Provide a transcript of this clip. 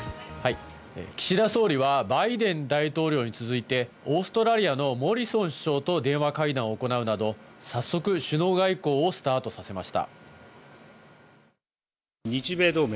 岸田総理はバイデン大統領に続いてオーストラリアのモリソン首相と電話会談を行うなど、早速、首脳外交をスタートさせました。